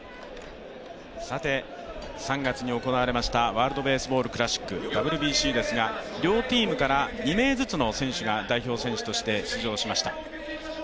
３月に行われましたワールドベースボールクラシック＝ＷＢＣですが、両チームから２名ずつの選手が代表選手として出場しました。